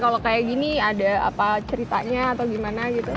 kalau kayak gini ada apa ceritanya atau gimana gitu